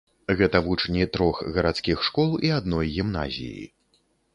Гэта вучні трох гарадскіх школ і адной гімназіі.